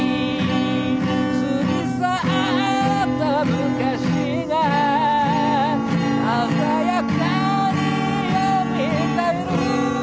「過ぎ去った昔が鮮やかによみがえる」